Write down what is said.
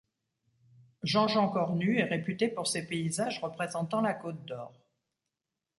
Jean-Jean Cornu est réputé pour ses paysages représentant la Côte-d'Or.